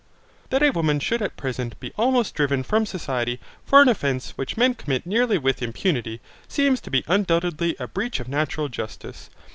That a woman should at present be almost driven from society for an offence which men commit nearly with impunity, seems to be undoubtedly a breach of natural justice.